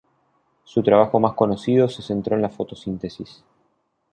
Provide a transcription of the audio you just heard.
Su trabajo más conocido se centró en la fotosíntesis.